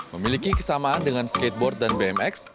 memiliki kesamaan dengan skateboard dan bmx